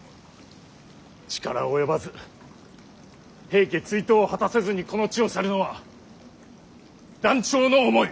力及ばず平家追討を果たせずにこの地を去るのは断腸の思い。